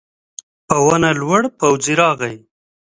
په ونه لوړ پوځي راغی.